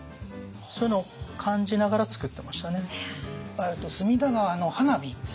そういうのを感じながら作ってましたね。